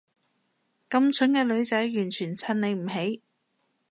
咁蠢嘅女仔完全襯你唔起